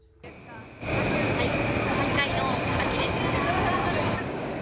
再会の秋です。